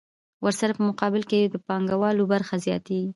ورسره په مقابل کې د پانګوال برخه زیاتېږي